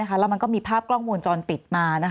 เรามันก็มีภาพกล้องมูลจอนปิดมา